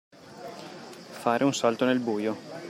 Fare un salto nel buio.